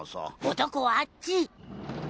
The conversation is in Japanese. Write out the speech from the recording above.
男はあっち！